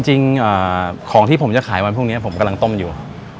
จริงในวันวันนี้ผมกำลังต้มอยู่